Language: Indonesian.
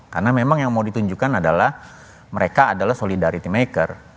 karena memang yang mau ditunjukkan adalah mereka adalah solidarity maker